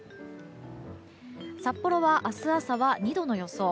札幌は明日朝は２度の予想。